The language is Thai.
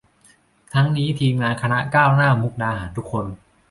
ทั้งนี้ทีมงานคณะก้าวหน้ามุกดาหารทุกคน